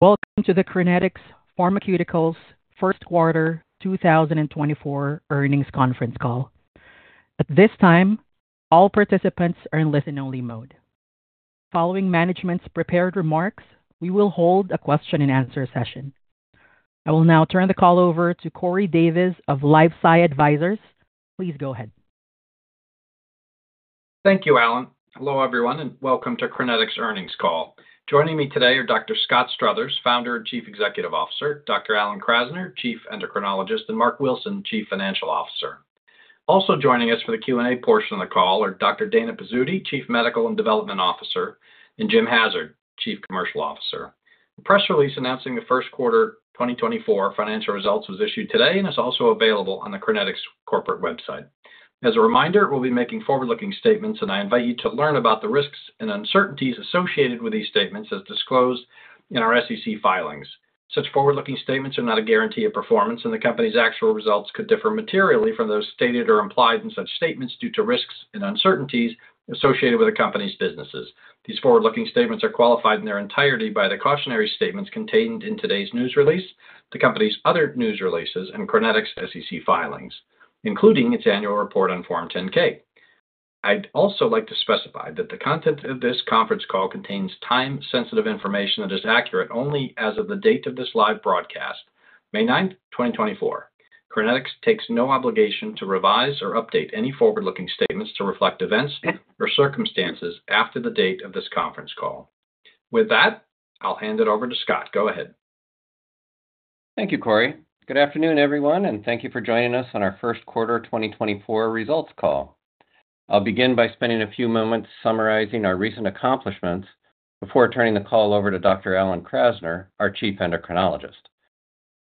Welcome to the Crinetics Pharmaceuticals Q1 2024 earnings conference call. At this time, all participants are in listen-only mode. Following management's prepared remarks, we will hold a question-and-answer session. I will now turn the call over to Corey Davis of LifeSci Advisors. Please go ahead. Thank you, Alan. Hello everyone, and welcome to Crinetics' earnings call. Joining me today are Dr. Scott Struthers, Founder and Chief Executive Officer, Dr. Alan Krasner, Chief Endocrinologist, and Marc Wilson, Chief Financial Officer. Also joining us for the Q&A portion of the call are Dr. Dana Pizzuti, Chief Medical and Development Officer, and Jim Hassard, Chief Commercial Officer. The press release announcing the first quarter 2024 financial results was issued today and is also available on the Crinetics' corporate website. As a reminder, we'll be making forward-looking statements, and I invite you to learn about the risks and uncertainties associated with these statements as disclosed in our SEC filings. Such forward-looking statements are not a guarantee of performance, and the company's actual results could differ materially from those stated or implied in such statements due to risks and uncertainties associated with a company's businesses. These forward-looking statements are qualified in their entirety by the cautionary statements contained in today's news release, the company's other news releases, and Crinetics' SEC filings, including its annual report on Form 10-K. I'd also like to specify that the content of this conference call contains time-sensitive information that is accurate only as of the date of this live broadcast, May 9, 2024. Crinetics takes no obligation to revise or update any forward-looking statements to reflect events or circumstances after the date of this conference call. With that, I'll hand it over to Scott. Go ahead. Thank you, Corey. Good afternoon, everyone, and thank you for joining us on our first quarter 2024 results call. I'll begin by spending a few moments summarizing our recent accomplishments before turning the call over to Dr. Alan Krasner, our Chief Endocrinologist.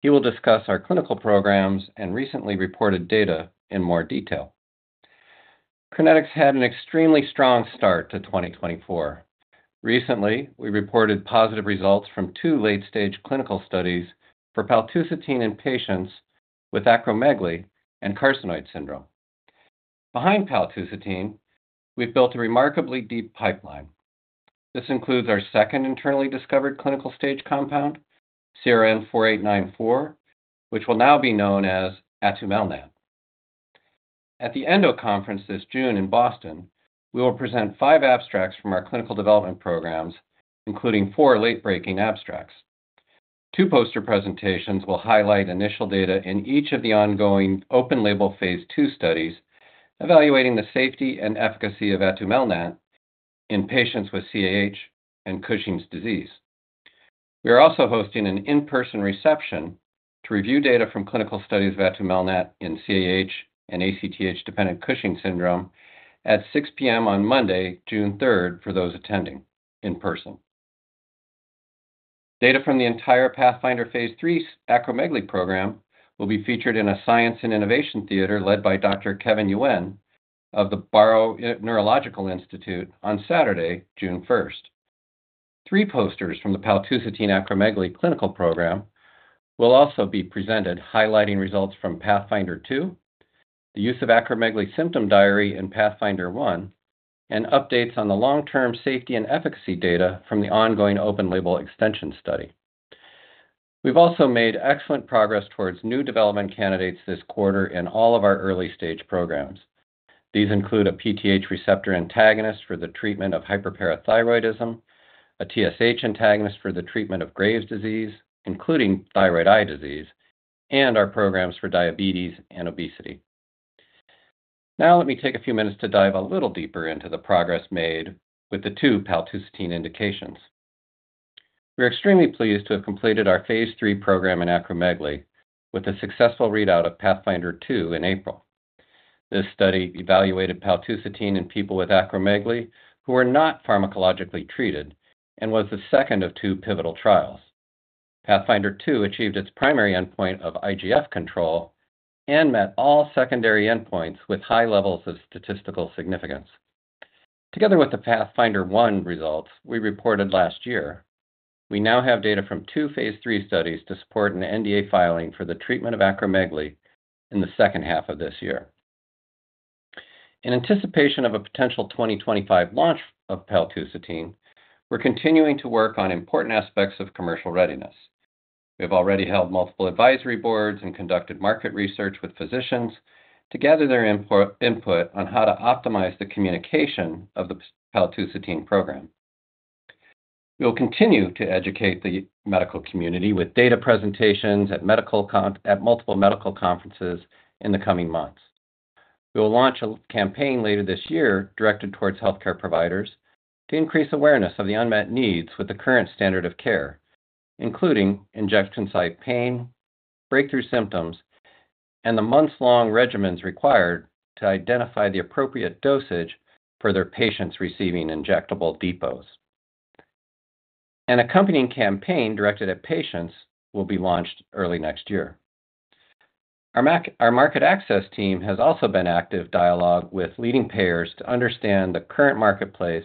He will discuss our clinical programs and recently reported data in more detail. Crinetics had an extremely strong start to 2024. Recently, we reported positive results from two late-stage clinical studies for paltusotine in patients with acromegaly and carcinoid syndrome. Behind paltusotine, we've built a remarkably deep pipeline. This includes our second internally discovered clinical stage compound, CRN04894, which will now be known as atumelnant. At the ENDO conference this June in Boston, we will present five abstracts from our clinical development programs, including four late-breaking abstracts. Two poster presentations will highlight initial data in each of the ongoing open-label phase II studies evaluating the safety and efficacy of atumelnant in patients with CAH and Cushing's disease. We are also hosting an in-person reception to review data from clinical studies of atumelnant in CAH and ACTH-dependent Cushing's syndrome at 6:00 P.M. on Monday, June 3rd, for those attending in person. Data from the entire PATHFNDR phase III acromegaly program will be featured in a science and innovation theater led by Dr. Kevin Yuen of the Barrow Neurological Institute on Saturday, June 1st. Three posters from the paltusotine acromegaly clinical program will also be presented, highlighting results from PATHFNDR-2, the use of acromegaly symptom diary in PATHFNDR-1, and updates on the long-term safety and efficacy data from the ongoing open-label extension study. We've also made excellent progress towards new development candidates this quarter in all of our early-stage programs. These include a PTH receptor antagonist for the treatment of hyperparathyroidism, a TSH antagonist for the treatment of Graves' disease, including thyroid eye disease, and our programs for diabetes and obesity. Now let me take a few minutes to dive a little deeper into the progress made with the two paltusotine indications. We're extremely pleased to have completed our phase III program in acromegaly with a successful readout of PATHFNDR-2 in April. This study evaluated paltusotine in people with acromegaly who were not pharmacologically treated and was the second of two pivotal trials. PATHFNDR-2 achieved its primary endpoint of IGF control and met all secondary endpoints with high levels of statistical significance. Together with the PATHFNDR-1 results we reported last year, we now have data from two phase III studies to support an NDA filing for the treatment of acromegaly in the second half of this year. In anticipation of a potential 2025 launch of paltusotine, we're continuing to work on important aspects of commercial readiness. We have already held multiple advisory boards and conducted market research with physicians to gather their input on how to optimize the communication of the paltusotine program. We will continue to educate the medical community with data presentations at multiple medical conferences in the coming months. We will launch a campaign later this year directed towards healthcare providers to increase awareness of the unmet needs with the current standard of care, including injection site pain, breakthrough symptoms, and the months-long regimens required to identify the appropriate dosage for their patients receiving injectable depots. An accompanying campaign directed at patients will be launched early next year. Our market access team has also been active dialogue with leading payers to understand the current marketplace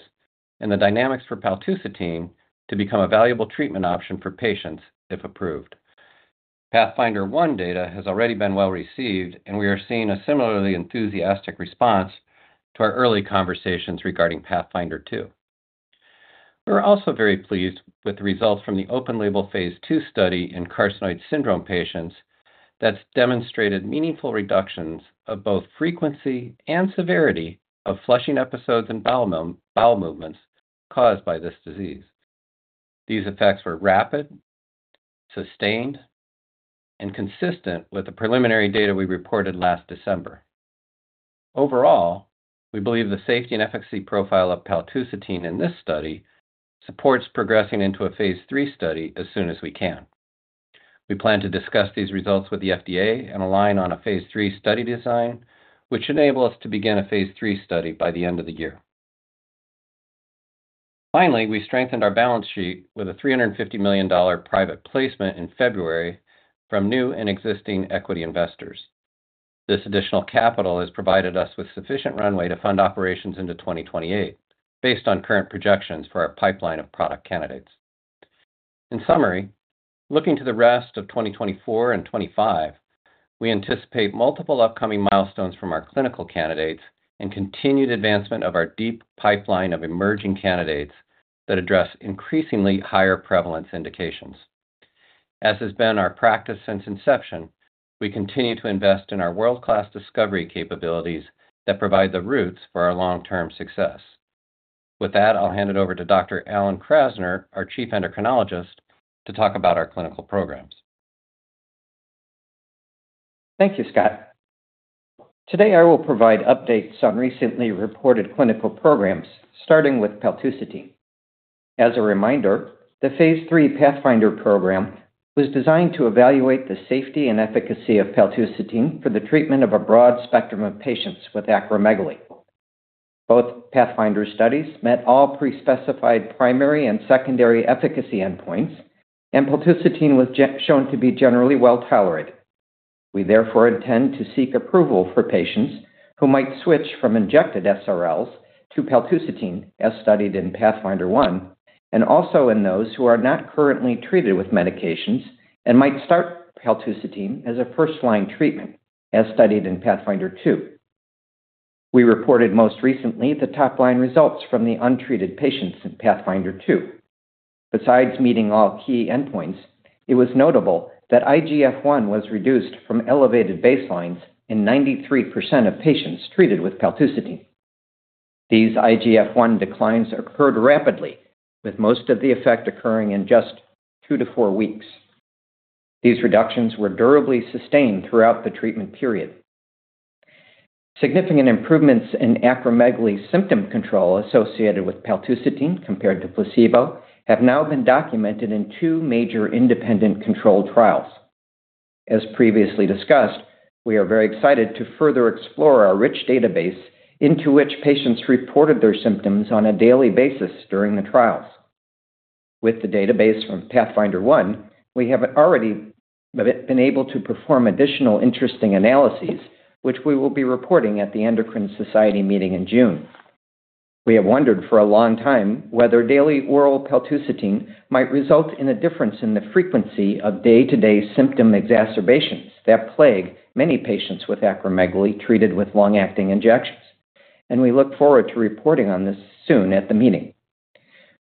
and the dynamics for paltusotine to become a valuable treatment option for patients if approved. PATHFNDR-1 data has already been well received, and we are seeing a similarly enthusiastic response to our early conversations regarding PATHFNDR-2. We are also very pleased with the results from the open-label phase II study in carcinoid syndrome patients that's demonstrated meaningful reductions of both frequency and severity of flushing episodes and bowel movements caused by this disease. These effects were rapid, sustained, and consistent with the preliminary data we reported last December. Overall, we believe the safety and efficacy profile of paltusotine in this study supports progressing into a phase III study as soon as we can. We plan to discuss these results with the FDA and align on a phase III study design, which enable us to begin a phase III study by the end of the year. Finally, we strengthened our balance sheet with a $350 million private placement in February from new and existing equity investors. This additional capital has provided us with sufficient runway to fund operations into 2028 based on current projections for our pipeline of product candidates. In summary, looking to the rest of 2024 and 2025, we anticipate multiple upcoming milestones from our clinical candidates and continued advancement of our deep pipeline of emerging candidates that address increasingly higher prevalence indications. As has been our practice since inception, we continue to invest in our world-class discovery capabilities that provide the roots for our long-term success. With that, I'll hand it over to Dr.Alan Krasner, our Chief Endocrinologist, to talk about our clinical programs. Thank you, Scott. Today I will provide updates on recently reported clinical programs, starting with paltusotine. As a reminder, the phase III PATHFNDR program was designed to evaluate the safety and efficacy of paltusotine for the treatment of a broad spectrum of patients with acromegaly. Both PATHFNDR studies met all pre-specified primary and secondary efficacy endpoints, and paltusotine was shown to be generally well tolerated. We therefore intend to seek approval for patients who might switch from injected SRLs to paltusotine, as studied in PATHFNDR-1, and also in those who are not currently treated with medications and might start paltusotine as a first-line treatment, as studied in PATHFNDR-2. We reported most recently the top-line results from the untreated patients in PATHFNDR2. Besides meeting all key endpoints, it was notable that IGF-1 was reduced from elevated baselines in 93% of patients treated with paltusotine. These IGF-1 declines occurred rapidly, with most of the effect occurring in just 2-4 weeks. These reductions were durably sustained throughout the treatment period. Significant improvements in acromegaly symptom control associated with paltusotine compared to placebo have now been documented in two major independent controlled trials. As previously discussed, we are very excited to further explore our rich database into which patients reported their symptoms on a daily basis during the trials. With the database from PATHFNDR-1, we have already been able to perform additional interesting analyses, which we will be reporting at the Endocrine Society meeting in June. We have wondered for a long time whether daily oral paltusotine might result in a difference in the frequency of day-to-day symptom exacerbations that plague many patients with acromegaly treated with long-acting injections, and we look forward to reporting on this soon at the meeting.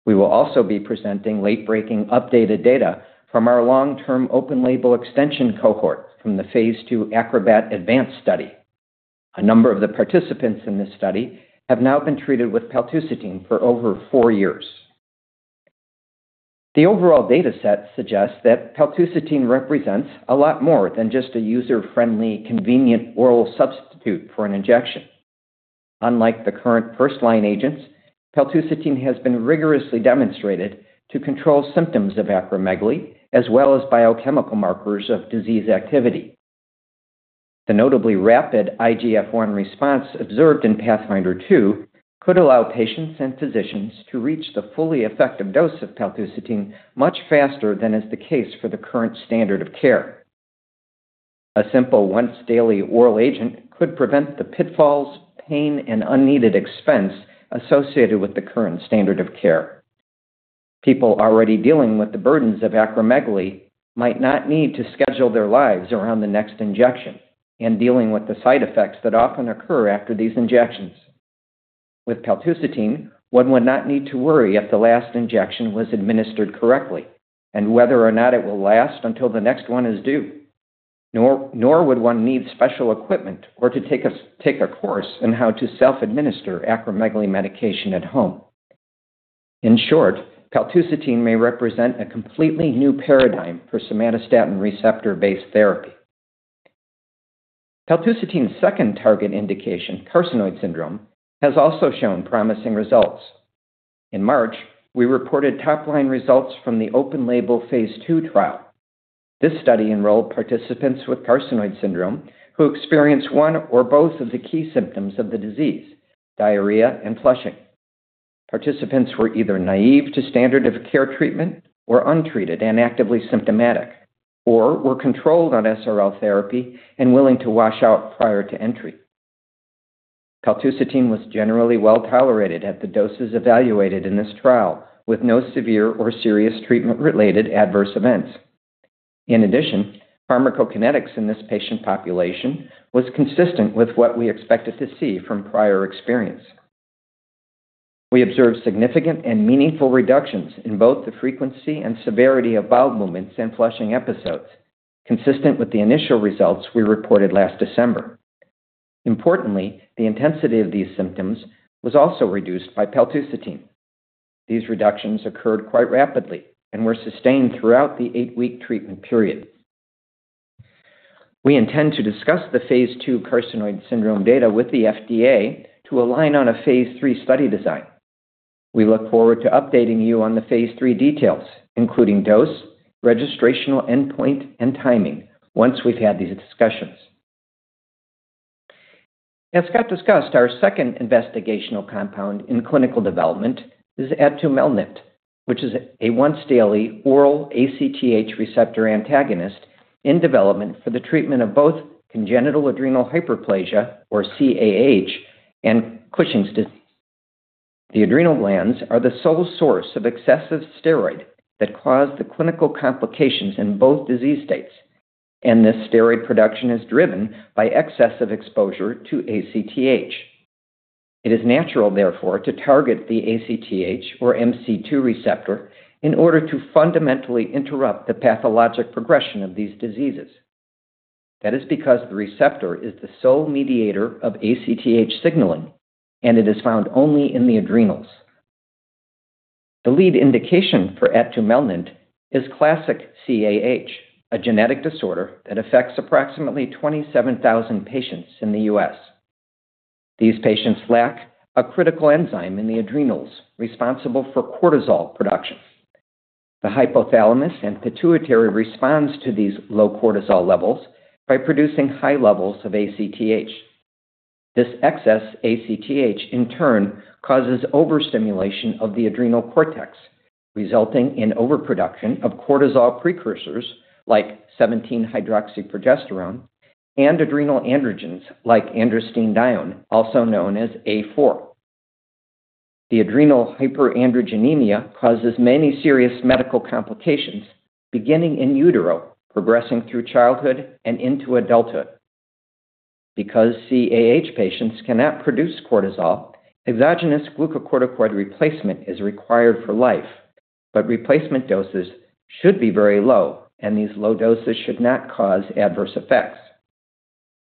We will also be presenting late-breaking updated data from our long-term open-label extension cohort from the phase II ACROBAT Advanced study. A number of the participants in this study have now been treated with paltusotine for over four years. The overall dataset suggests that paltusotine represents a lot more than just a user-friendly, convenient oral substitute for an injection. Unlike the current first-line agents, paltusotine has been rigorously demonstrated to control symptoms of acromegaly as well as biochemical markers of disease activity. The notably rapid IGF-1 response observed in PATHFNDR-2 could allow patients and physicians to reach the fully effective dose of paltusotine much faster than is the case for the current standard of care. A simple once-daily oral agent could prevent the pitfalls, pain, and unneeded expense associated with the current standard of care. People already dealing with the burdens of acromegaly might not need to schedule their lives around the next injection and dealing with the side effects that often occur after these injections. With paltusotine, one would not need to worry if the last injection was administered correctly and whether or not it will last until the next one is due, nor would one need special equipment or to take a course in how to self-administer acromegaly medication at home. In short, paltusotine may represent a completely new paradigm for somatostatin receptor-based therapy. paltusotine's second target indication, carcinoid syndrome, has also shown promising results. In March, we reported top-line results from the open-label phase II trial. This study enrolled participants with carcinoid syndrome who experienced one or both of the key symptoms of the disease: diarrhea and flushing. Participants were either naive to standard-of-care treatment or untreated and actively symptomatic, or were controlled on SRL therapy and willing to wash out prior to entry. paltusotine was generally well tolerated at the doses evaluated in this trial, with no severe or serious treatment-related adverse events. In addition, pharmacokinetics in this patient population was consistent with what we expected to see from prior experience. We observed significant and meaningful reductions in both the frequency and severity of bowel movements and flushing episodes, consistent with the initial results we reported last December. Importantly, the intensity of these symptoms was also reduced by paltusotine These reductions occurred quite rapidly and were sustained throughout the 8-week treatment period. We intend to discuss the phase II carcinoid syndrome data with the FDA to align on a phase III study design. We look forward to updating you on the phase III details, including dose, registrational endpoint, and timing, once we've had these discussions. As Scott discussed, our second investigational compound in clinical development is atumelnant, which is a once-daily oral ACTH receptor antagonist in development for the treatment of both congenital adrenal hyperplasia, or CAH, and Cushing's disease. The adrenal glands are the sole source of excessive steroid that caused the clinical complications in both disease states, and this steroid production is driven by excessive exposure to ACTH. It is natural, therefore, to target the ACTH, or MC2 receptor in order to fundamentally interrupt the pathologic progression of these diseases. That is because the receptor is the sole mediator of ACTH signaling, and it is found only in the adrenals. The lead indication for atumelnant is classic CAH, a genetic disorder that affects approximately 27,000 patients in the US. These patients lack a critical enzyme in the adrenals responsible for cortisol production. The hypothalamus and pituitary respond to these low cortisol levels by producing high levels of ACTH. This excess ACTH, in turn, causes overstimulation of the adrenal cortex, resulting in overproduction of cortisol precursors like 17-hydroxyprogesterone and adrenal androgens like androstenedione, also known as A4. The adrenal hyperandrogenemia causes many serious medical complications, beginning in utero, progressing through childhood and into adulthood. Because CAH patients cannot produce cortisol, exogenous glucocorticoid replacement is required for life, but replacement doses should be very low, and these low doses should not cause adverse effects.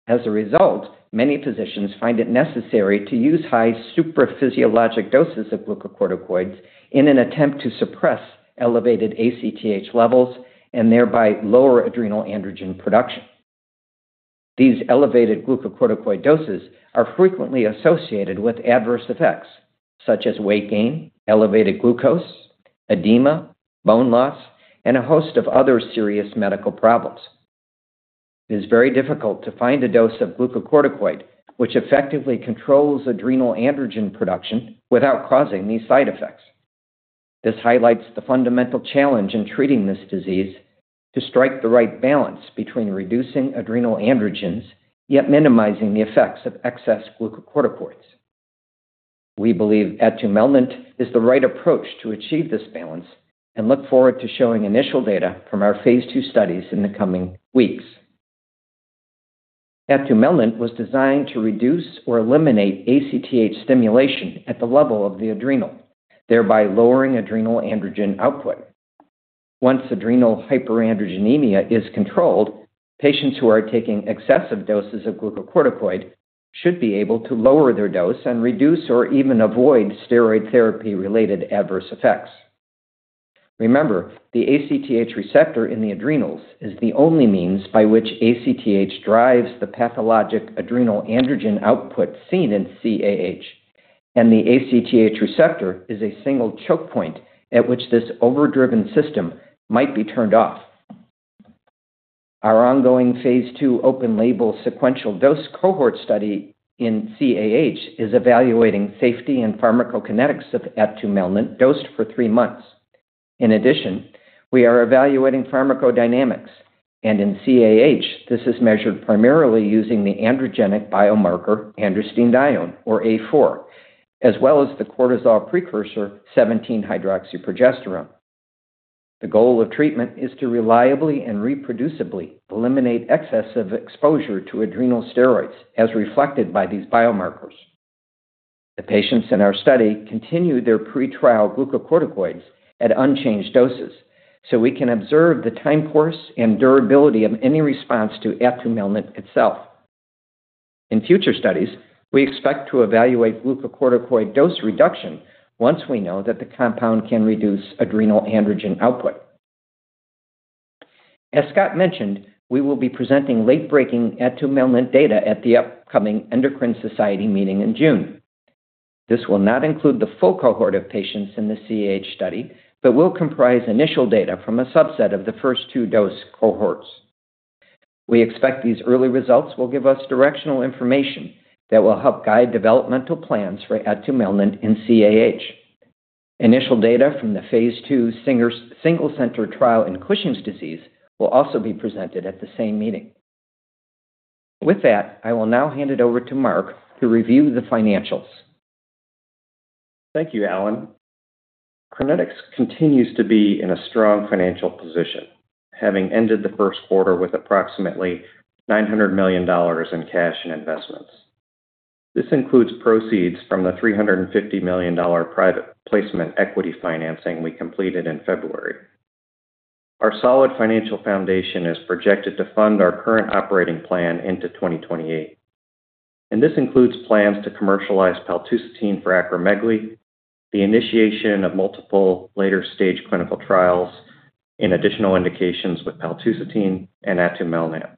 As a result, many physicians find it necessary to use high supraphysiologic doses of glucocorticoids in an attempt to suppress elevated ACTH levels and thereby lower adrenal androgen production. These elevated glucocorticoid doses are frequently associated with adverse effects, such as weight gain, elevated glucose, edema, bone loss, and a host of other serious medical problems. It is very difficult to find a dose of glucocorticoid which effectively controls adrenal androgen production without causing these side effects. This highlights the fundamental challenge in treating this disease: to strike the right balance between reducing adrenal androgens yet minimizing the effects of excess glucocorticoids. We believe atumelnant is the right approach to achieve this balance and look forward to showing initial data from our phase II studies in the coming weeks. Atumelnant was designed to reduce or eliminate ACTH stimulation at the level of the adrenal, thereby lowering adrenal androgen output. Once adrenal hyperandrogenemia is controlled, patients who are taking excessive doses of glucocorticoid should be able to lower their dose and reduce or even avoid steroid therapy-related adverse effects. Remember, the ACTH receptor in the adrenals is the only means by which ACTH drives the pathologic adrenal androgen output seen in CAH, and the ACTH receptor is a single choke point at which this overdriven system might be turned off. Our ongoing phase II open-label sequential dose cohort study in CAH is evaluating safety and pharmacokinetics of atumelnant, dosed for three months. In addition, we are evaluating pharmacodynamics, and in CAH, this is measured primarily using the androgenic biomarker androstenedione, or A4, as well as the cortisol precursor 17-hydroxyprogesterone. The goal of treatment is to reliably and reproducibly eliminate excessive exposure to adrenal steroids, as reflected by these biomarkers. The patients in our study continue their pretrial glucocorticoids at unchanged doses, so we can observe the time course and durability of any response to atumelnant itself. In future studies, we expect to evaluate glucocorticoid dose reduction once we know that the compound can reduce adrenal androgen output. As Scott mentioned, we will be presenting late-breaking atumelnant data at the upcoming Endocrine Society meeting in June. This will not include the full cohort of patients in the CAH study but will comprise initial data from a subset of the first two dose cohorts. We expect these early results will give us directional information that will help guide developmental plans for atumelnant in CAH. Initial data from the phase II single-center trial in Cushing's disease will also be presented at the same meeting. With that, I will now hand it over to Marc to review the financials. Thank you, Alan. Crinetics continues to be in a strong financial position, having ended the Q1 with approximately $900 million in cash and investments. This includes proceeds from the $350 million private placement equity financing we completed in February. Our solid financial foundation is projected to fund our current operating plan into 2028, and this includes plans to commercialize paltusotine for acromegaly, the initiation of multiple later-stage clinical trials, and additional indications with paltusotine and atumelnant,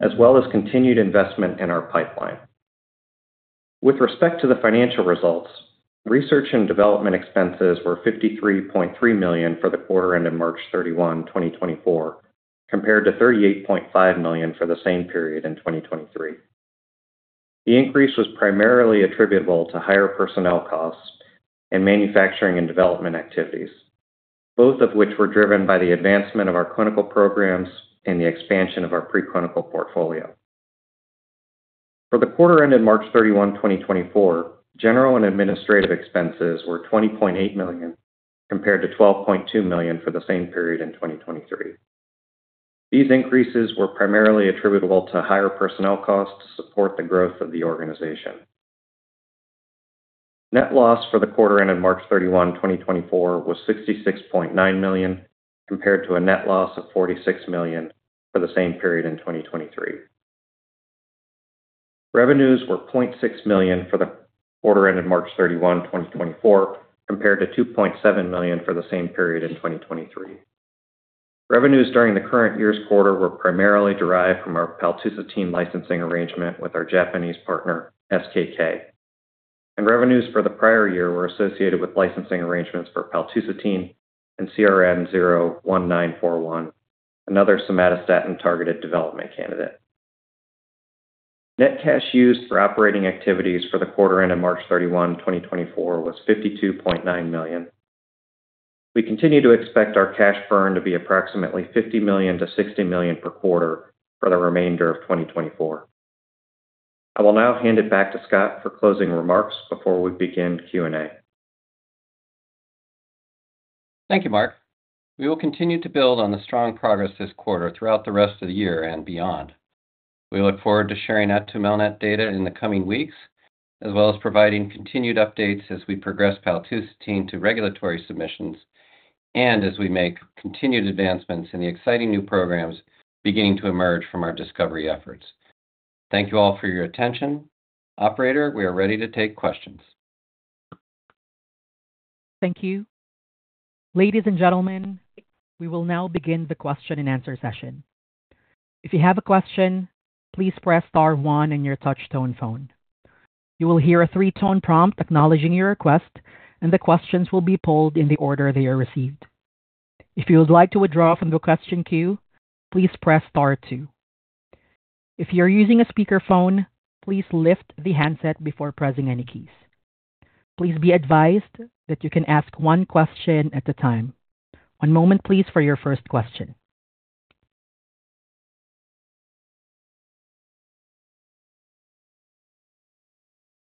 as well as continued investment in our pipeline. With respect to the financial results, research and development expenses were $53.3 million for the quarter ended March 31, 2024, compared to $38.5 million for the same period in 2023. The increase was primarily attributable to higher personnel costs and manufacturing and development activities, both of which were driven by the advancement of our clinical programs and the expansion of our preclinical portfolio. For the quarter ended March 31, 2024, general and administrative expenses were $20.8 million compared to $12.2 million for the same period in 2023. These increases were primarily attributable to higher personnel costs to support the growth of the organization. Net loss for the quarter ended March 31, 2024, was $66.9 million compared to a net loss of $46 million for the same period in 2023. Revenues were $0.6 million for the quarter ended March 31, 2024, compared to $2.7 million for the same period in 2023. Revenues during the current year's quarter were primarily derived from our paltusotine licensing arrangement with our Japanese partner, SKK, and revenues for the prior year were associated with licensing arrangements for paltusotine and CRN01941, another somatostatin-targeted development candidate. Net cash used for operating activities for the quarter ended March 31, 2024, was $52.9 million. We continue to expect our cash burn to be approximately $50 million to $60 million per quarter for the remainder of 2024. I will now hand it back to Scott for closing remarks before we begin Q&A. Thank you, Marc. We will continue to build on the strong progress this quarter throughout the rest of the year and beyond. We look forward to sharing atumelnant data in the coming weeks, as well as providing continued updates as we progress paltusotine to regulatory submissions and as we make continued advancements in the exciting new programs beginning to emerge from our discovery efforts. Thank you all for your attention. Operator, we are ready to take questions. Thank you. Ladies and gentlemen, we will now begin the question-and-answer session. If you have a question, please press star one on your touch-tone phone. You will hear a three-tone prompt acknowledging your request, and the questions will be pulled in the order they are received. If you would like to withdraw from the question queue, please press star two. If you are using a speakerphone, please lift the handset before pressing any keys. Please be advised that you can ask one question at a time. One moment, please, for your first question.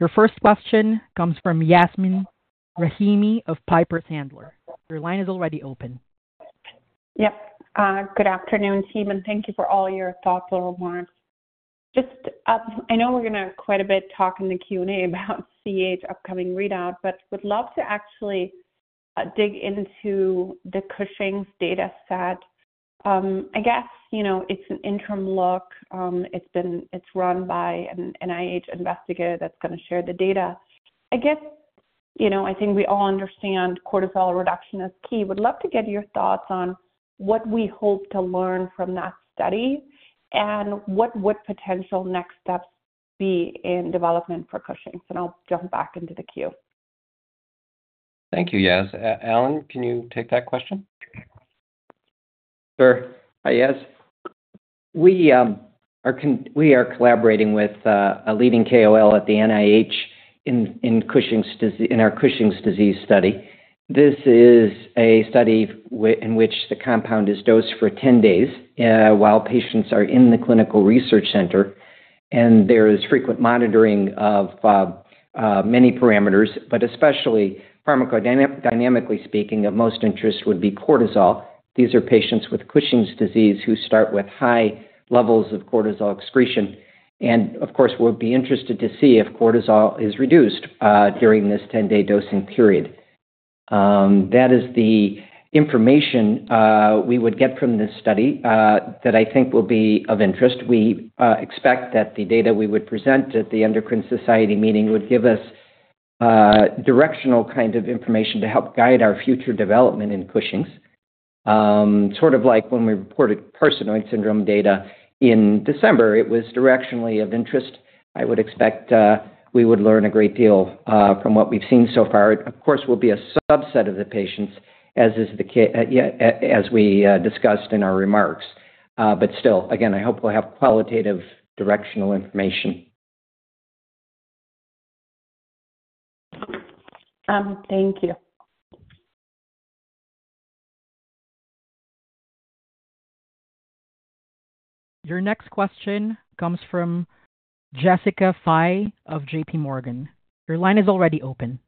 Your first question comes from Yasmin Rahimi of Piper Sandler. Your line is already open. Yep. Good afternoon, team, and thank you for all your thoughts and remarks. Just, I know we're going to talk quite a bit in the Q&A about CAH upcoming readout, but would love to actually dig into the Cushing's data set. I guess it's an interim look. It's run by an NIH investigator that's going to share the data. I guess I think we all understand cortisol reduction is key. Would love to get your thoughts on what we hope to learn from that study and what the potential next steps would be in development for Cushing's. I'll jump back into the queue. Thank you, Yaz. Alan, can you take that question? Sure. Hi, Yaz. We are collaborating with a leading KOL at the NIH in our Cushing's disease study. This is a study in which the compound is dosed for 10 days while patients are in the clinical research center, and there is frequent monitoring of many parameters. But especially pharmacodynamically speaking, of most interest would be cortisol. These are patients with Cushing's disease who start with high levels of cortisol excretion and, of course, would be interested to see if cortisol is reduced during this 10-day dosing period. That is the information we would get from this study that I think will be of interest. We expect that the data we would present at the Endocrine Society Meeting would give us directional kind of information to help guide our future development in Cushing's. Sort of like when we reported carcinoid syndrome data in December, it was directionally of interest. I would expect we would learn a great deal from what we've seen so far. Of course, we'll be a subset of the patients, as is the case, as we discussed in our remarks. But still, again, I hope we'll have qualitative directional information. Thank you. Your next question comes from Jessica Fye of JPMorgan. Your line is already open.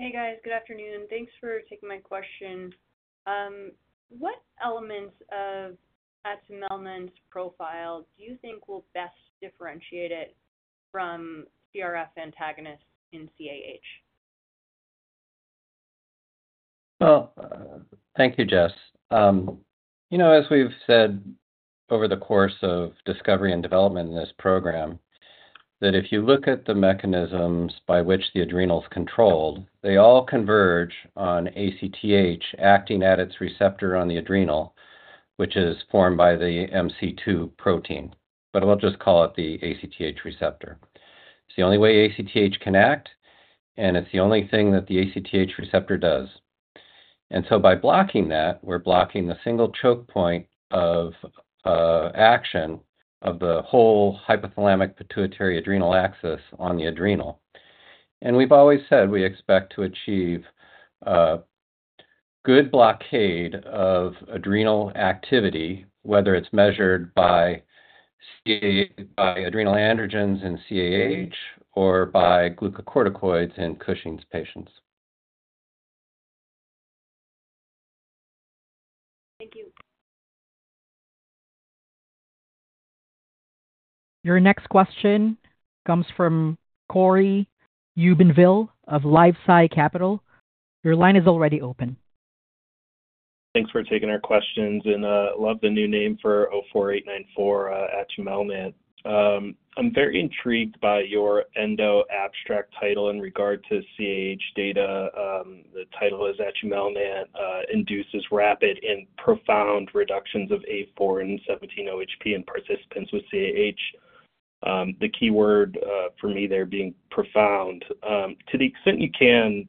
Hey, guys. Good afternoon. Thanks for taking my question. What elements of atumelnant's profile do you think will best differentiate it from CRF antagonists in CAH? Well, thank you, Jess. As we've said over the course of discovery and development in this program, that if you look at the mechanisms by which the adrenal's controlled, they all converge on ACTH acting at its receptor on the adrenal, which is formed by the MC2 protein. But we'll just call it the ACTH receptor. It's the only way ACTH can act, and it's the only thing that the ACTH receptor does. And so by blocking that, we're blocking the single choke point of action of the whole hypothalamic-pituitary-adrenal axis on the adrenal. And we've always said we expect to achieve good blockade of adrenal activity, whether it's measured by adrenal androgens in CAH or by glucocorticoids in Cushing's patients. Thank you. Your next question comes from Cory Jubinville of LifeSci Capital. Your line is already open. Thanks for taking our questions, and love the new name for 04894 atumelnant. I'm very intrigued by your endo-abstract title in regard to CAH data. The title is, "Atumelnant induces rapid and profound reductions of A4 and 17-OHP in participants with CAH," the keyword for me there being profound. To the extent you can,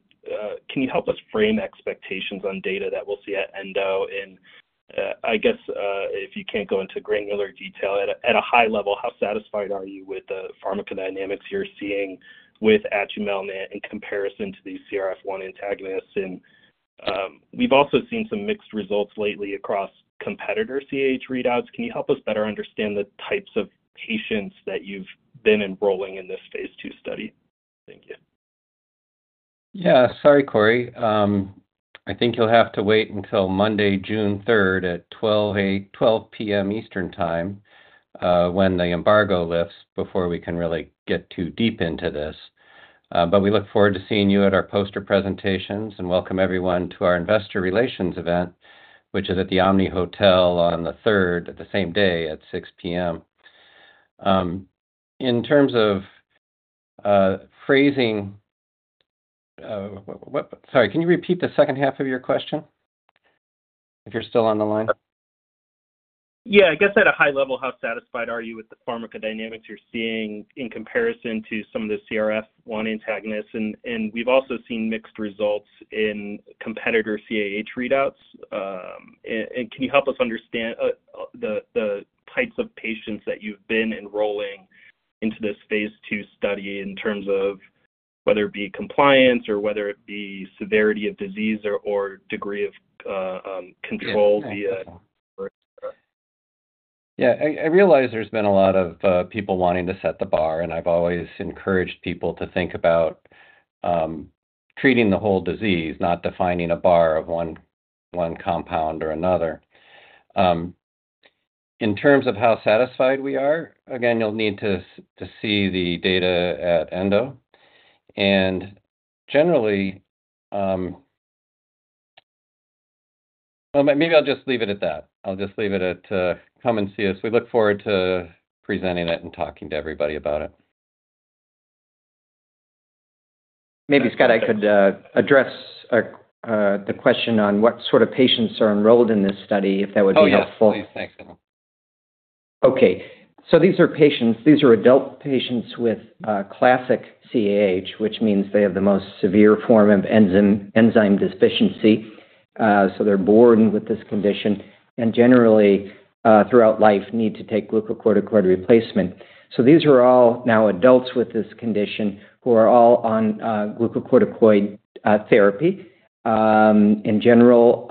can you help us frame expectations on data that we'll see at endo? And I guess if you can't go into granular detail, at a high level, how satisfied are you with the pharmacodynamics you're seeing with atumelnant in comparison to these CRF1 antagonists? And we've also seen some mixed results lately across competitor CAH readouts. Can you help us better understand the types of patients that you've been enrolling in this phase II study? Thank you. Yeah. Sorry, Cory. I think you'll have to wait until Monday, June 3rd at 12:00 P.M. Eastern Time when the embargo lifts before we can really get too deep into this. But we look forward to seeing you at our poster presentations and welcome everyone to our investor relations event, which is at the Omni Hotel on the 3rd, at the same day at 6:00P.M. In terms of phrasing sorry, can you repeat the second half of your question if you're still on the line? Yeah. I guess at a high level, how satisfied are you with the pharmacodynamics you're seeing in comparison to some of the CRF1 antagonists? And we've also seen mixed results in competitor CAH readouts. And can you help us understand the types of patients that you've been enrolling into this phase II study in terms of whether it be compliance or whether it be severity of disease or degree of control via? Yeah. I realize there's been a lot of people wanting to set the bar, and I've always encouraged people to think about treating the whole disease, not defining a bar of one compound or another. In terms of how satisfied we are, again, you'll need to see the data at endo. And generally maybe I'll just leave it at that. I'll just leave it at come and see us. We look forward to presenting it and talking to everybody about it. Maybe, Scott, I could address the question on what sort of patients are enrolled in this study, if that would be helpful. Oh, yes. Please. Thanks, Alan. Okay. So these are patients. These are adult patients with classic CAH, which means they have the most severe form of enzyme deficiency. So they're born with this condition and generally throughout life need to take glucocorticoid replacement. So these are all now adults with this condition who are all on glucocorticoid therapy. In general,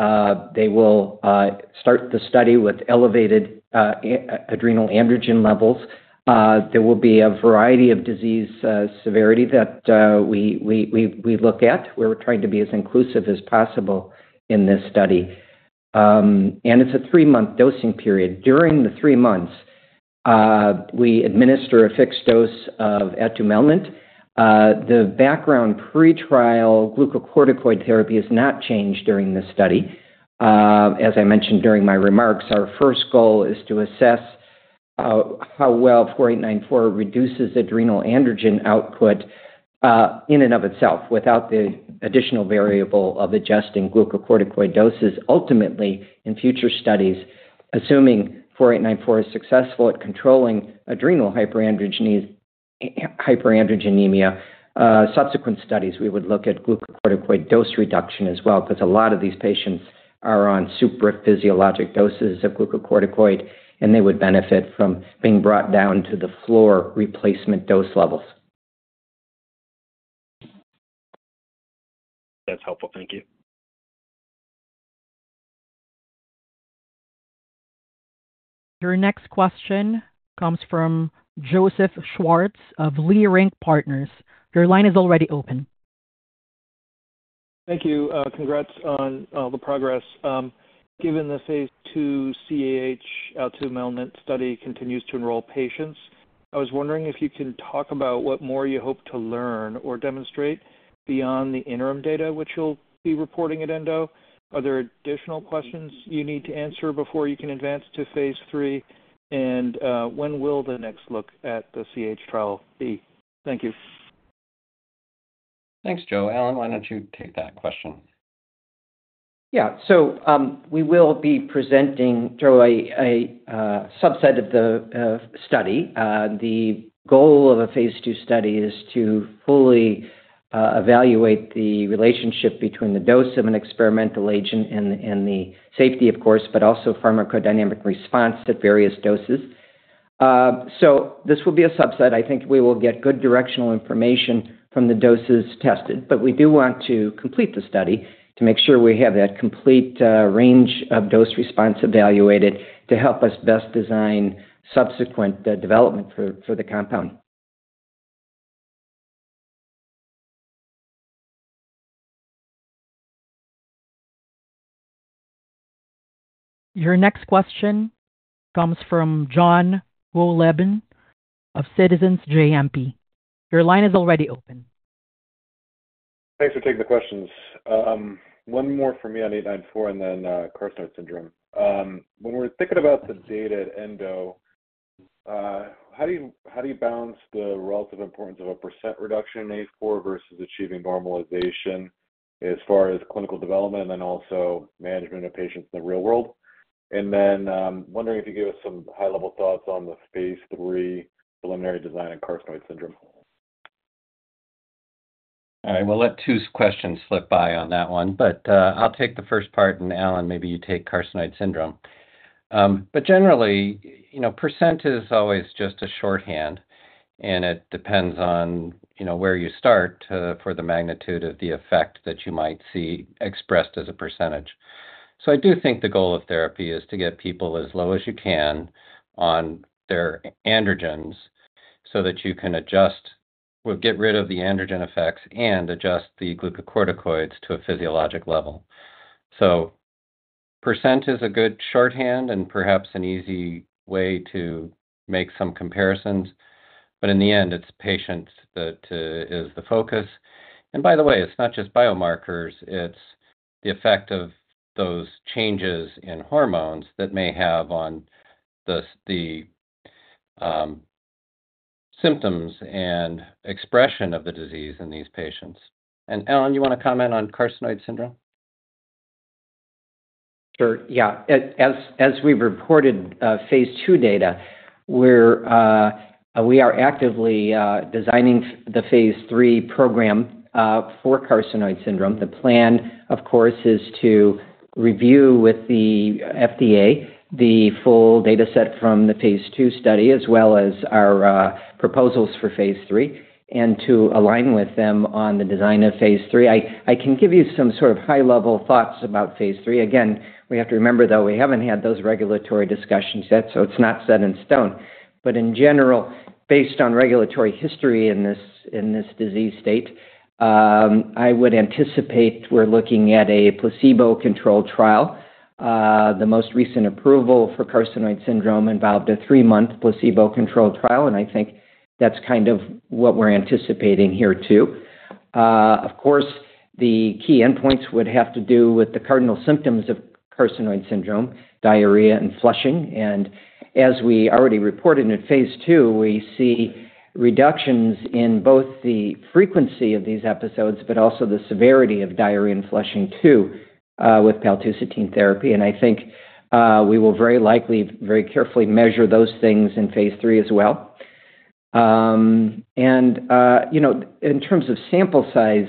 they will start the study with elevated adrenal androgen levels. There will be a variety of disease severity that we look at. We're trying to be as inclusive as possible in this study. And it's a three-month dosing period. During the three months, we administer a fixed dose of atumelnant. The background pretrial glucocorticoid therapy has not changed during this study. As I mentioned during my remarks, our first goal is to assess how well 4894 reduces adrenal androgen output in and of itself without the additional variable of adjusting glucocorticoid doses. Ultimately, in future studies, assuming 4894 is successful at controlling adrenal hyperandrogenemia, subsequent studies, we would look at glucocorticoid dose reduction as well because a lot of these patients are on supraphysiologic doses of glucocorticoid, and they would benefit from being brought down to the floor replacement dose levels. That's helpful. Thank you. Your next question comes from Joseph Schwartz of Leerink Partners. Your line is already open. Thank you. Congrats on the progress. Given the phase II CAH atumelnant study continues to enroll patients, I was wondering if you can talk about what more you hope to learn or demonstrate beyond the interim data, which you'll be reporting at endo. Are there additional questions you need to answer before you can advance to phase III? And when will the next look at the CAH trial be? Thank you. Thanks, Joe. Alan, why don't you take that question? Yeah. So we will be presenting, Joe, a subset of the study. The goal of a phase II study is to fully evaluate the relationship between the dose of an experimental agent and the safety, of course, but also pharmacodynamic response at various doses. So this will be a subset. I think we will get good directional information from the doses tested. But we do want to complete the study to make sure we have that complete range of dose response evaluated to help us best design subsequent development for the compound. Your next question comes from Jon Wolleben of Citizens JMP. Your line is already open. Thanks for taking the questions. One more for me on 894 and then CAH syndrome. When we're thinking about the data at endo, how do you balance the relative importance of a percent reduction in A4 versus achieving normalization as far as clinical development and then also management of patients in the real world? And then wondering if you give us some high-level thoughts on the phase III preliminary design of carcinoid syndrome? All right. We'll let two questions slip by on that one, but I'll take the first part, and Alan, maybe you take carcinoid syndrome. But generally, percent is always just a shorthand, and it depends on where you start for the magnitude of the effect that you might see expressed as a percentage. So I do think the goal of therapy is to get people as low as you can on their androgens so that you can get rid of the androgen effects and adjust the glucocorticoids to a physiologic level. So percent is a good shorthand and perhaps an easy way to make some comparisons. But in the end, it's patients that is the focus. And by the way, it's not just biomarkers. It's the effect of those changes in hormones that may have on the symptoms and expression of the disease in these patients. Alan, you want to comment on carcinoid syndrome? Sure. Yeah. As we've reported phase II data, we are actively designing the phase III program for carcinoid syndrome. The plan, of course, is to review with the FDA the full dataset from the phase two study as well as our proposals for phase III and to align with them on the design of phase III. I can give you some sort of high-level thoughts about phase III. Again, we have to remember, though, we haven't had those regulatory discussions yet, so it's not set in stone. But in general, based on regulatory history in this disease state, I would anticipate we're looking at a placebo-controlled trial. The most recent approval for carcinoid syndrome involved a three-month placebo-controlled trial, and I think that's kind of what we're anticipating here too. Of course, the key endpoints would have to do with the cardinal symptoms of carcinoid syndrome, diarrhea and flushing. As we already reported in phase II, we see reductions in both the frequency of these episodes but also the severity of diarrhea and flushing too with paltusotine therapy. And I think we will very likely, very carefully measure those things in phase III as well. And in terms of sample size,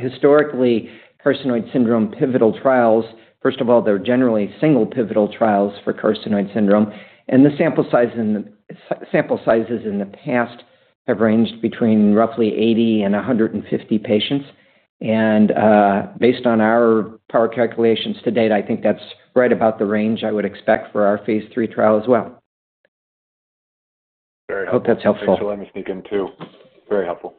historically, carcinoid syndrome pivotal trials first of all, they're generally single pivotal trials for carcinoid syndrome. And the sample sizes in the past have ranged between roughly 80 and 150 patients. And based on our power calculations to date, I think that's right about the range I would expect for our phase III trial as well. Very helpful. I hope that's helpful. Thanks for letting me sneak in too. Very helpful.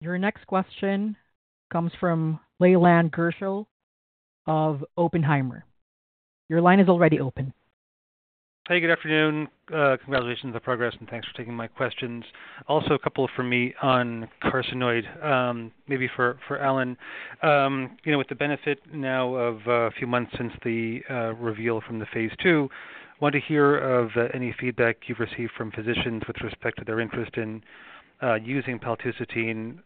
Your next question comes from Leland Gershell of Oppenheimer. Your line is already open. Hey. Good afternoon. Congratulations on the progress, and thanks for taking my questions. Also, a couple from me on acromegaly. Maybe for Alan, with the benefit now of a few months since the reveal from the phase II, I want to hear of any feedback you've received from physicians with respect to their interest in using paltusotine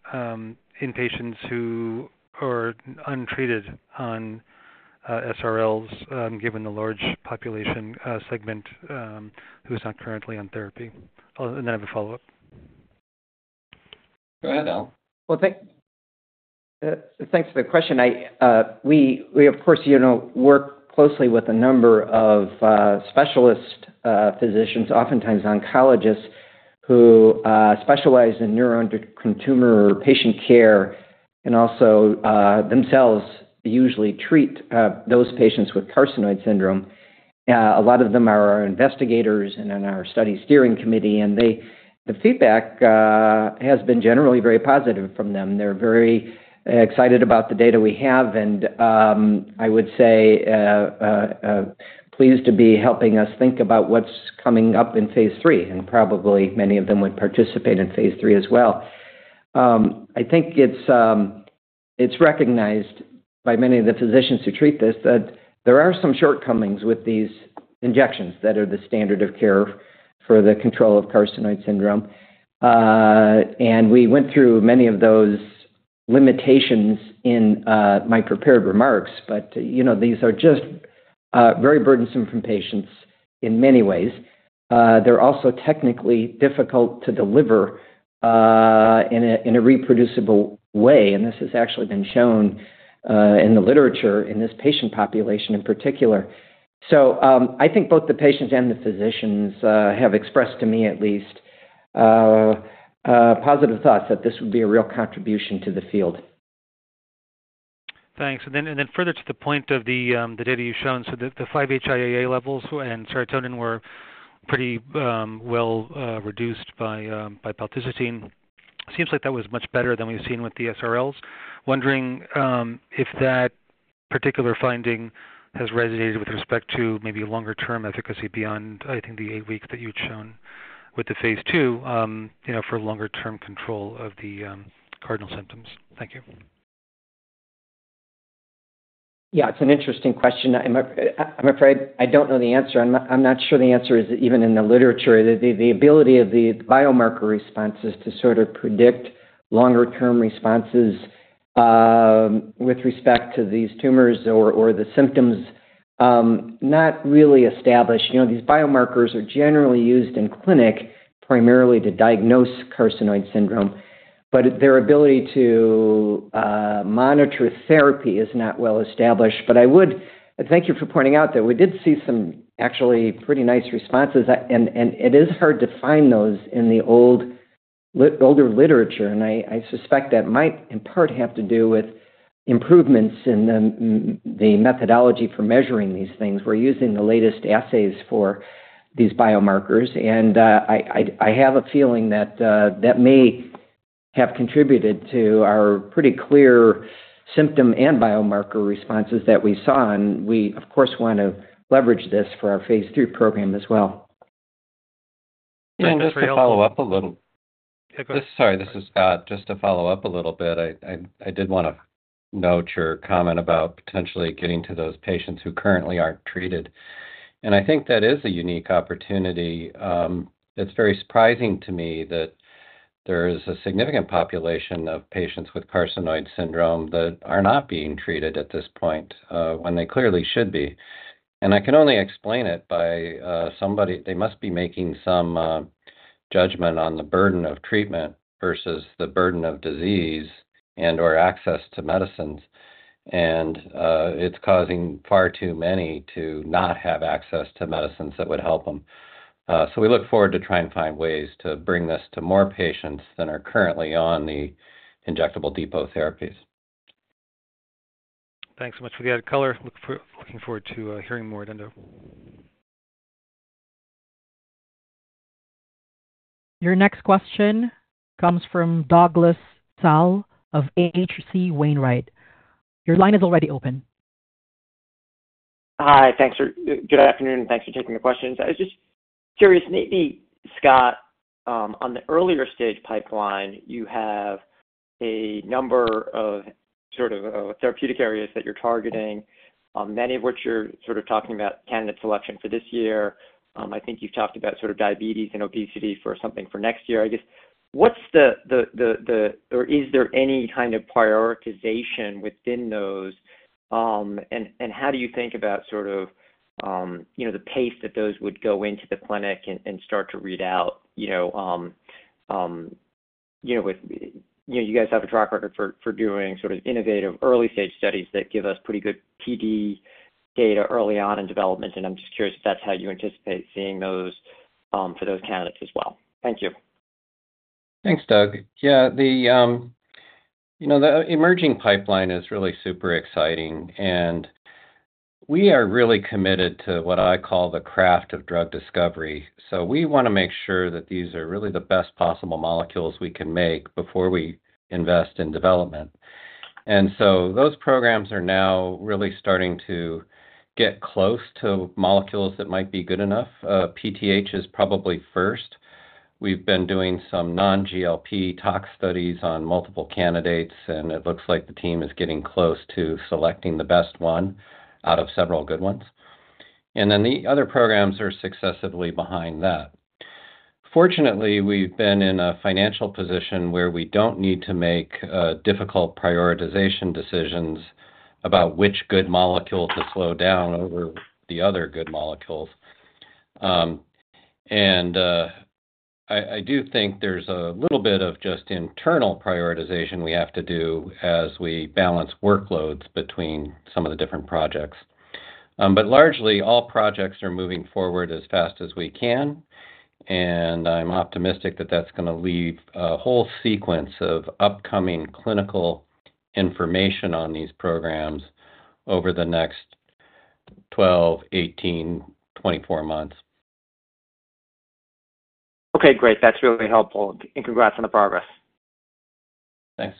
in patients who are untreated on SRLs given the large population segment who is not currently on therapy. And then I have a follow-up. Go ahead, Alan. Well, thanks for the question. We, of course, work closely with a number of specialist physicians, oftentimes oncologists, who specialize in neuroendocrine tumor patient care and also themselves usually treat those patients with carcinoid syndrome. A lot of them are our investigators and in our study steering committee. The feedback has been generally very positive from them. They're very excited about the data we have. I would say pleased to be helping us think about what's coming up in phase III. Probably many of them would participate in phase III as well. I think it's recognized by many of the physicians who treat this that there are some shortcomings with these injections that are the standard of care for the control of carcinoid syndrome. We went through many of those limitations in my prepared remarks, but these are just very burdensome for patients in many ways. They're also technically difficult to deliver in a reproducible way. This has actually been shown in the literature in this patient population in particular. I think both the patients and the physicians have expressed to me, at least, positive thoughts that this would be a real contribution to the field. Thanks. And then further to the point of the data you've shown, so the 5-HIAA levels and serotonin were pretty well reduced by paltusotine. Seems like that was much better than we've seen with the SRLs. Wondering if that particular finding has resonated with respect to maybe longer-term efficacy beyond, I think, the eight weeks that you'd shown with the phase II for longer-term control of the cardinal symptoms. Thank you. Yeah. It's an interesting question. I'm afraid I don't know the answer. I'm not sure the answer is even in the literature. The ability of the biomarker responses to sort of predict longer-term responses with respect to these tumors or the symptoms not really established. These biomarkers are generally used in clinic primarily to diagnose carcinoid syndrome, but their ability to monitor therapy is not well established. But I would thank you for pointing out that we did see some actually pretty nice responses. And it is hard to find those in the older literature. And I suspect that might in part have to do with improvements in the methodology for measuring these things. We're using the latest assays for these biomarkers. And I have a feeling that that may have contributed to our pretty clear symptom and biomarker responses that we saw. We, of course, want to leverage this for our phase III program as well. And just to follow up a little. Sorry. This is Scott. Just to follow up a little bit, I did want to note your comment about potentially getting to those patients who currently aren't treated. And I think that is a unique opportunity. It's very surprising to me that there is a significant population of patients with carcinoid syndrome that are not being treated at this point when they clearly should be. And I can only explain it by somebody they must be making some judgment on the burden of treatment versus the burden of disease and/or access to medicines. And it's causing far too many to not have access to medicines that would help them. So we look forward to trying to find ways to bring this to more patients than are currently on the injectable depot therapies. Thanks so much for the added color. Looking forward to hearing more at endo. Your next question comes from Douglas Tsao of H.C. Wainwright. Your line is already open. Hi. Good afternoon. Thanks for taking the questions. I was just curious. Maybe, Scott, on the earlier stage pipeline, you have a number of sort of therapeutic areas that you're targeting, many of which you're sort of talking about candidate selection for this year. I think you've talked about sort of diabetes and obesity for something for next year. I guess, what's the or is there any kind of prioritization within those? And how do you think about sort of the pace that those would go into the clinic and start to read out with you guys have a track record for doing sort of innovative early-stage studies that give us pretty good PD data early on in development. And I'm just curious if that's how you anticipate seeing those for those candidates as well. Thank you. Thanks, Doug. Yeah. The emerging pipeline is really super exciting. We are really committed to what I call the craft of drug discovery. We want to make sure that these are really the best possible molecules we can make before we invest in development. Those programs are now really starting to get close to molecules that might be good enough. PTH is probably first. We've been doing some non-GLP tox studies on multiple candidates, and it looks like the team is getting close to selecting the best one out of several good ones. Then the other programs are successively behind that. Fortunately, we've been in a financial position where we don't need to make difficult prioritization decisions about which good molecule to slow down over the other good molecules. I do think there's a little bit of just internal prioritization we have to do as we balance workloads between some of the different projects. But largely, all projects are moving forward as fast as we can. I'm optimistic that that's going to leave a whole sequence of upcoming clinical information on these programs over the next 12, 18, 24 months. Okay. Great. That's really helpful. Congrats on the progress. Thanks.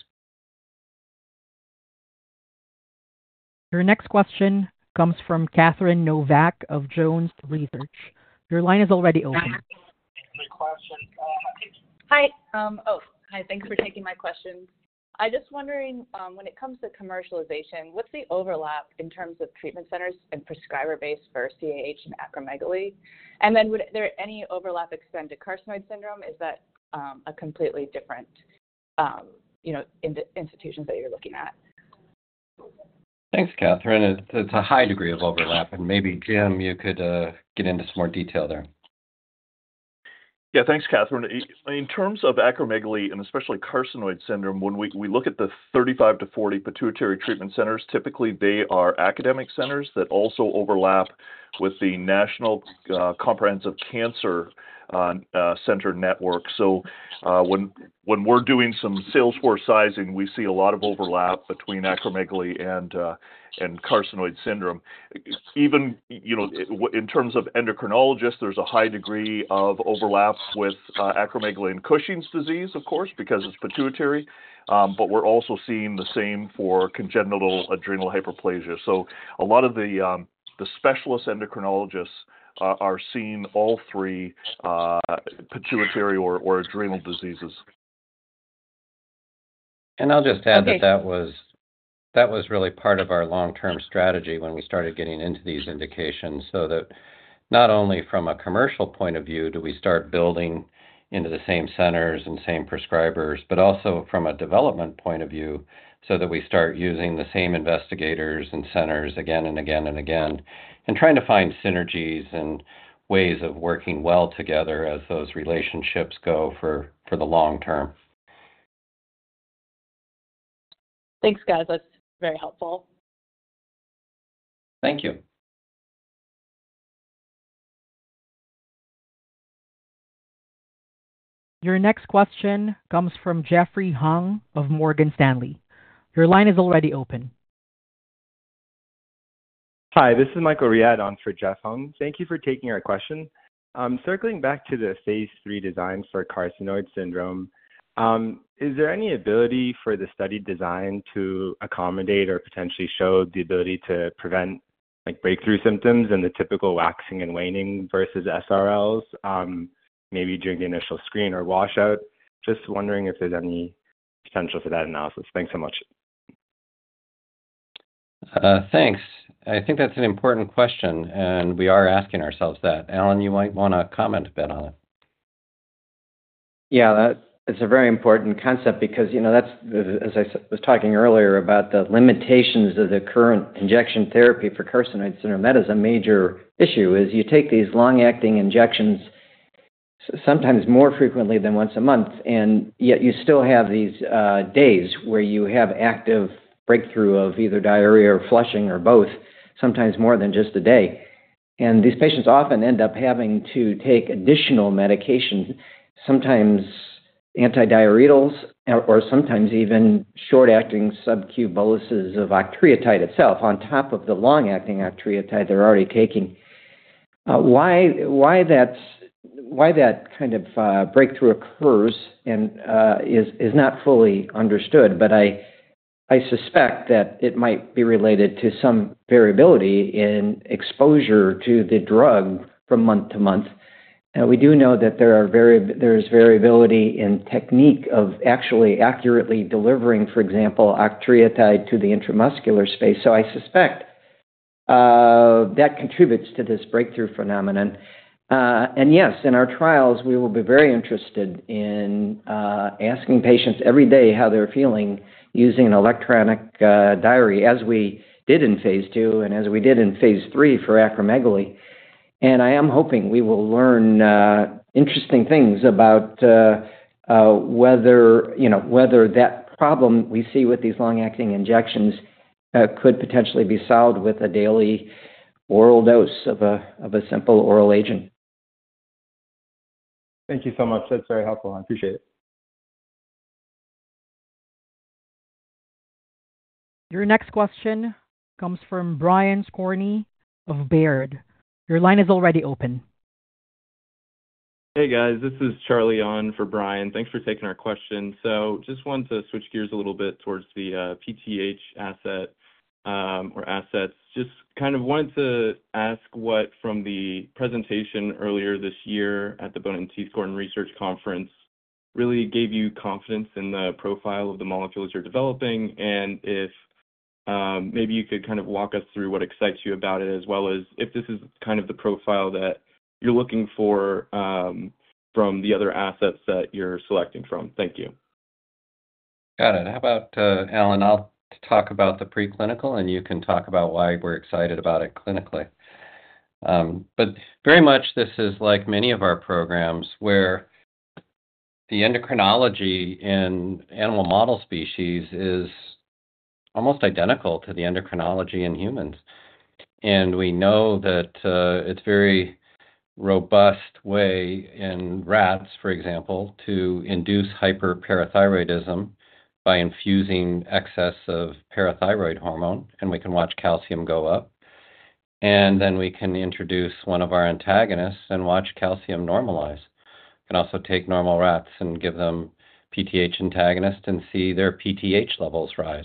Your next question comes from Catherine Novack of Jones Research. Your line is already open. Hi. Oh. Hi. Thanks for taking my questions. I'm just wondering, when it comes to commercialization, what's the overlap in terms of treatment centers and prescriber base for CAH and acromegaly? And then would there any overlap extend to carcinoid syndrome? Is that a completely different institution that you're looking at? Thanks, Catherine. It's a high degree of overlap. And maybe, Jim, you could get into some more detail there. Yeah. Thanks, Catherine. In terms of acromegaly and especially carcinoid syndrome, when we look at the 35-40 pituitary treatment centers, typically, they are academic centers that also overlap with the National Comprehensive Cancer Network. So when we're doing some sales force sizing, we see a lot of overlap between acromegaly and carcinoid syndrome. Even in terms of endocrinologists, there's a high degree of overlap with acromegaly and Cushing's disease, of course, because it's pituitary. But we're also seeing the same for congenital adrenal hyperplasia. So a lot of the specialist endocrinologists are seeing all three pituitary or adrenal diseases. I'll just add that that was really part of our long-term strategy when we started getting into these indications so that not only from a commercial point of view do we start building into the same centers and same prescribers, but also from a development point of view so that we start using the same investigators and centers again and again and again and trying to find synergies and ways of working well together as those relationships go for the long term. Thanks, guys. That's very helpful. Thank you. Your next question comes from Jeffrey Hung of Morgan Stanley. Your line is already open. Hi. This is Michael Riad on for Jeffrey Hung. Thank you for taking our question. Circling back to the phase III design for carcinoid syndrome, is there any ability for the study design to accommodate or potentially show the ability to prevent breakthrough symptoms and the typical waxing and waning versus SRLs, maybe during the initial screen or washout? Just wondering if there's any potential for that analysis. Thanks so much. Thanks. I think that's an important question, and we are asking ourselves that. Alan, you might want to comment a bit on it. Yeah. It's a very important concept because that's as I was talking earlier about the limitations of the current injection therapy for carcinoid syndrome. That is a major issue is you take these long-acting injections sometimes more frequently than once a month, and yet you still have these days where you have active breakthrough of either diarrhea or flushing or both, sometimes more than just a day. And these patients often end up having to take additional medications, sometimes antidiarrheals or sometimes even short-acting subcu boluses of octreotide itself on top of the long-acting octreotide they're already taking. Why that kind of breakthrough occurs is not fully understood, but I suspect that it might be related to some variability in exposure to the drug from month to month. We do know that there is variability in technique of actually accurately delivering, for example, octreotide to the intramuscular space. I suspect that contributes to this breakthrough phenomenon. Yes, in our trials, we will be very interested in asking patients every day how they're feeling using an electronic diary as we did in phase II and as we did in phase III for acromegaly. I am hoping we will learn interesting things about whether that problem we see with these long-acting injections could potentially be solved with a daily oral dose of a simple oral agent. Thank you so much. That's very helpful. I appreciate it. Your next question comes from Brian Skorney of Baird. Your line is already open. Hey, guys. This is Charlie on for Brian. Thanks for taking our question. Just wanted to switch gears a little bit towards the PTH asset or assets. Just kind of wanted to ask what from the presentation earlier this year at the TD Cowen Research Conference really gave you confidence in the profile of the molecules you're developing and if maybe you could kind of walk us through what excites you about it as well as if this is kind of the profile that you're looking for from the other assets that you're selecting from. Thank you. Got it. How about, Alan, I'll talk about the preclinical, and you can talk about why we're excited about it clinically. But very much, this is like many of our programs where the endocrinology in animal model species is almost identical to the endocrinology in humans. And we know that it's a very robust way in rats, for example, to induce hyperparathyroidism by infusing excess of parathyroid hormone, and we can watch calcium go up. And then we can introduce one of our antagonists and watch calcium normalize. We can also take normal rats and give them PTH antagonists and see their PTH levels rise.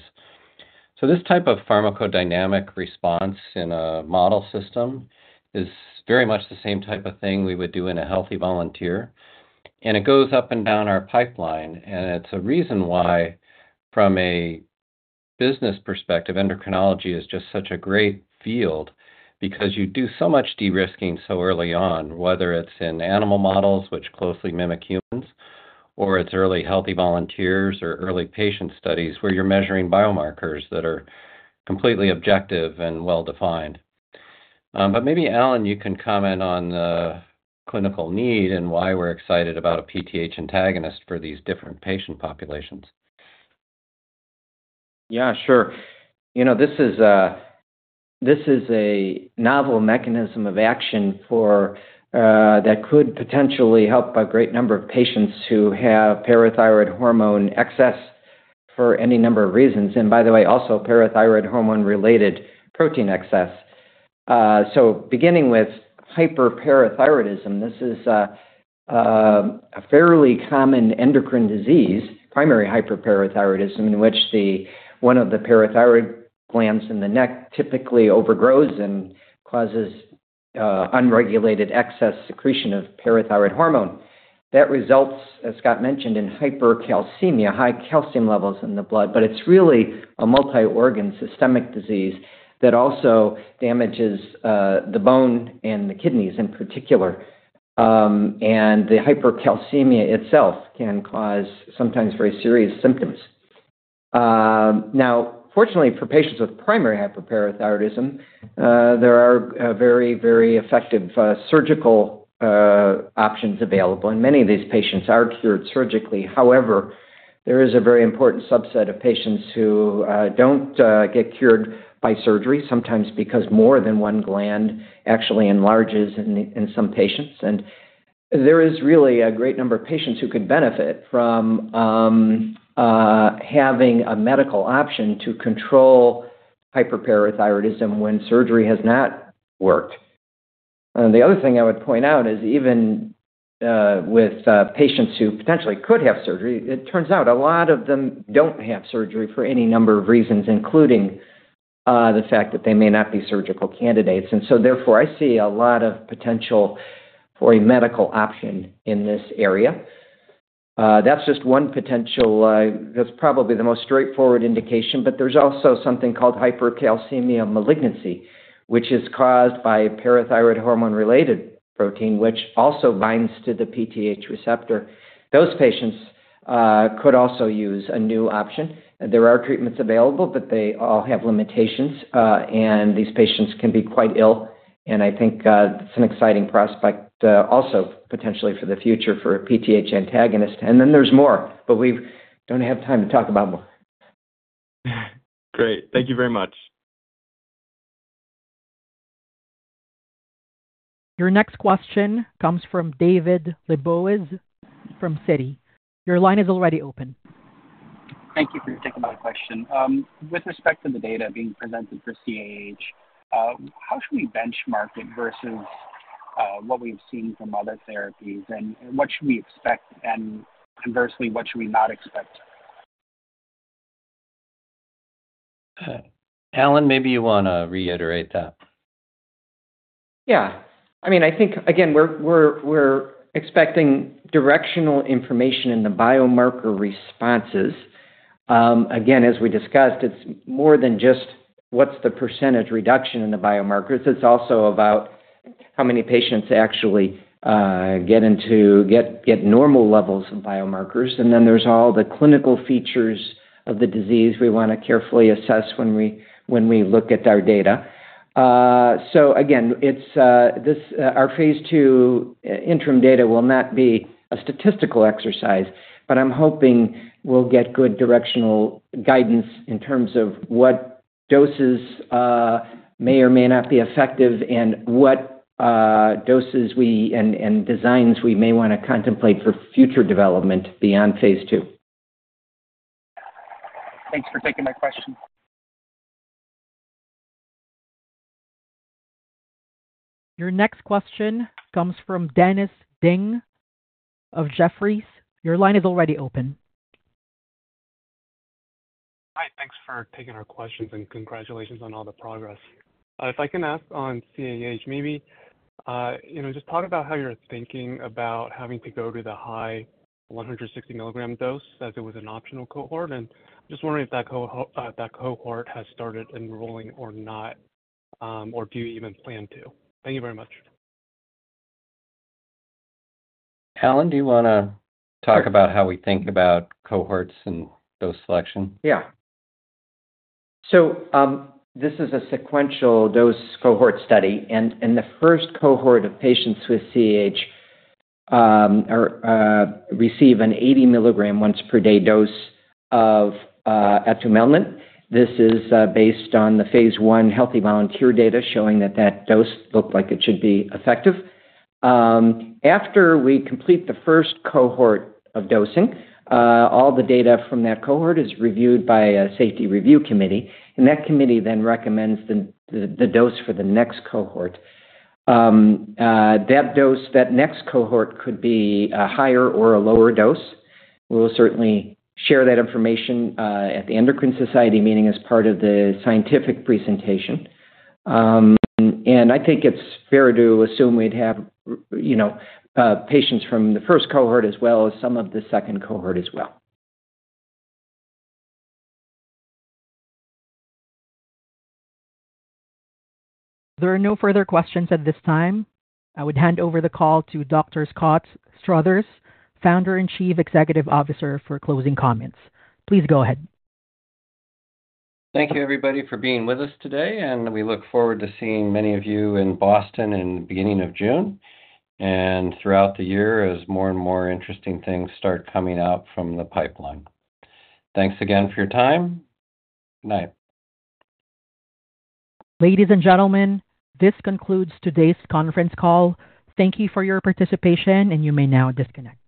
So this type of pharmacodynamic response in a model system is very much the same type of thing we would do in a healthy volunteer. And it goes up and down our pipeline. It's a reason why, from a business perspective, endocrinology is just such a great field because you do so much de-risking so early on, whether it's in animal models, which closely mimic humans, or it's early healthy volunteers or early patient studies where you're measuring biomarkers that are completely objective and well-defined. Maybe, Alan, you can comment on the clinical need and why we're excited about a PTH antagonist for these different patient populations. Yeah. Sure. This is a novel mechanism of action that could potentially help a great number of patients who have parathyroid hormone excess for any number of reasons and, by the way, also parathyroid hormone-related protein excess. So beginning with hyperparathyroidism, this is a fairly common endocrine disease, primary hyperparathyroidism, in which one of the parathyroid glands in the neck typically overgrows and causes unregulated excess secretion of parathyroid hormone. That results, as Scott mentioned, in hypercalcemia, high calcium levels in the blood. But it's really a multi-organ systemic disease that also damages the bone and the kidneys in particular. And the hypercalcemia itself can cause sometimes very serious symptoms. Now, fortunately, for patients with primary hyperparathyroidism, there are very, very effective surgical options available. And many of these patients are cured surgically. However, there is a very important subset of patients who don't get cured by surgery, sometimes because more than one gland actually enlarges in some patients. There is really a great number of patients who could benefit from having a medical option to control hyperparathyroidism when surgery has not worked. The other thing I would point out is even with patients who potentially could have surgery, it turns out a lot of them don't have surgery for any number of reasons, including the fact that they may not be surgical candidates. So, therefore, I see a lot of potential for a medical option in this area. That's just one potential that's probably the most straightforward indication. But there's also something called hypercalcemia malignancy, which is caused by a parathyroid hormone-related protein, which also binds to the PTH receptor. Those patients could also use a new option. There are treatments available, but they all have limitations. These patients can be quite ill. I think it's an exciting prospect also potentially for the future for a PTH antagonist. Then there's more, but we don't have time to talk about more. Great. Thank you very much. Your next question comes from David Le Bois from Citi. Your line is already open. Thank you for taking my question. With respect to the data being presented for CAH, how should we benchmark it versus what we've seen from other therapies, and what should we expect? Conversely, what should we not expect? Alan, maybe you want to reiterate that. Yeah. I mean, I think, again, we're expecting directional information in the biomarker responses. Again, as we discussed, it's more than just what's the percentage reduction in the biomarkers. It's also about how many patients actually get normal levels of biomarkers. And then there's all the clinical features of the disease we want to carefully assess when we look at our data. So again, our phase II interim data will not be a statistical exercise, but I'm hoping we'll get good directional guidance in terms of what doses may or may not be effective and what doses and designs we may want to contemplate for future development beyond phase II. Thanks for taking my question. Your next question comes from Dennis Ding of Jefferies. Your line is already open. Hi. Thanks for taking our questions, and congratulations on all the progress. If I can ask on CAH, maybe just talk about how you're thinking about having to go to the high 160-milligram dose as it was an optional cohort. And I'm just wondering if that cohort has started enrolling or not, or do you even plan to? Thank you very much. Alan, do you want to talk about how we think about cohorts and dose selection? Yeah. This is a sequential dose cohort study. In the first cohort of patients with CAH receive an 80-milligram once per day dose of atumelnant. This is based on the phase I healthy volunteer data showing that that dose looked like it should be effective. After we complete the first cohort of dosing, all the data from that cohort is reviewed by a safety review committee. That committee then recommends the dose for the next cohort. That dose, that next cohort could be a higher or a lower dose. We'll certainly share that information at the Endocrine Society, meaning as part of the scientific presentation. I think it's fair to assume we'd have patients from the first cohort as well as some of the second cohort as well. There are no further questions at this time. I would hand over the call to Dr. Scott Struthers, Founder and Chief Executive Officer, for closing comments. Please go ahead. Thank you, everybody, for being with us today. We look forward to seeing many of you in Boston in the beginning of June and throughout the year as more and more interesting things start coming out from the pipeline. Thanks again for your time. Good night. Ladies and gentlemen, this concludes today's conference call. Thank you for your participation, and you may now disconnect.